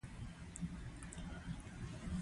پښتون ته ژوندون غواړو.